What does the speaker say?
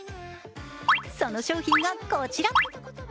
その商品がこちら。